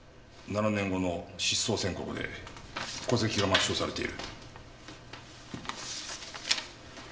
７年後の失踪宣告で戸籍が抹消されている。